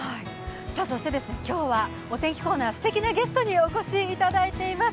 そして今日はお天気コーナー、素敵なゲストにお越しいただいています。